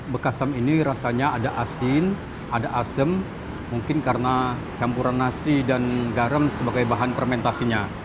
bekasam ini rasanya ada asin ada asem mungkin karena campuran nasi dan garam sebagai bahan fermentasinya